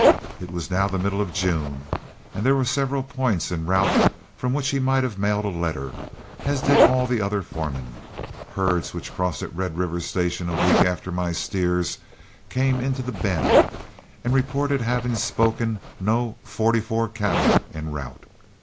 It was now the middle of June, and there were several points en route from which he might have mailed a letter, as did all the other foremen. Herds, which crossed at Red River Station a week after my steers, came into The Bend and reported having spoken no "44" cattle en route.